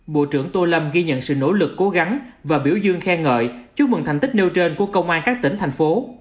bộ trưởng tô lâm ghi nhận sự nỗ lực cố gắng và biểu dương khen ngợi chúc mừng thành tích nêu trên của công an các tỉnh thành phố